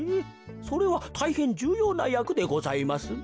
それはたいへんじゅうようなやくでございますね。